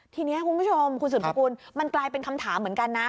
ทีนี้คุณผู้ชมคุณสุดสกุลมันกลายเป็นคำถามเหมือนกันนะ